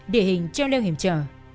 địa hình treo leo hiểm trở